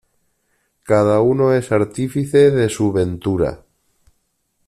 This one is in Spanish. Cada uno es artífice de su ventura.